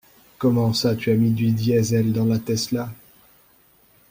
Comment ça tu as mis du diesel dans la Tesla?!